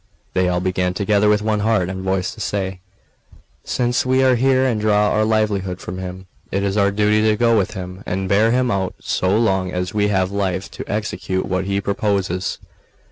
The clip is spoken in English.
They all began together with one heart and voice to say: "Since we are here, and draw our livelihood from him, it is our duty to go with him and bear him out so long as we have life to execute what he proposes.